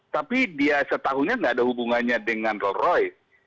tapi dia setahunya tidak ada hubungannya dengan rolls royce